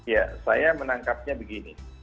ya saya menangkapnya begini